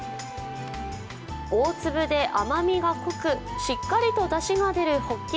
大粒で甘みが濃くしっかりとだしが出るほっき